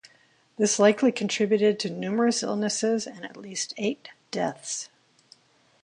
This likely contributed to numerous illnesses and at least eight deaths.